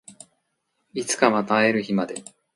いつかまた会える日まで